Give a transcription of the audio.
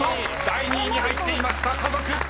第２位に入っていました家族］